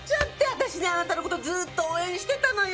私ねあなたの事ずっと応援してたのよ。